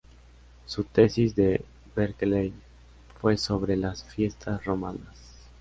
Su tesis de Berkeley fue sobre las fiestas romanas.